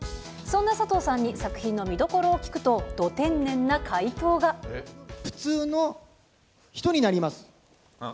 そんな佐藤さんに、作品の見どころを聞くと、普通の人になります。